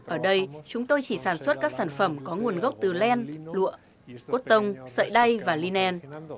ở đây chúng tôi chỉ sản xuất các sản phẩm có nguồn gốc từ len lụa cốt tông sợi đay và lien